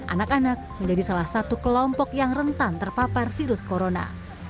anak anak menjadi salah satu kelompok yang rentan terpapar virus corona